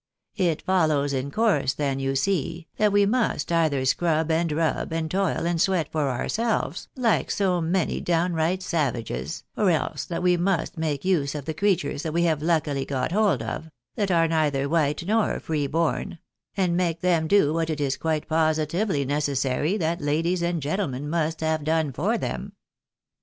It follows in course then you see, that we must either scrub, and rub, and toil, and sweat for ourselves, like so many downright savages, or else that we must make use of the creatures that we have luckily got hold of — that are neither white nor free born — and make them do what it is quite positively neces sary that ladies and gentlemen must have done for them."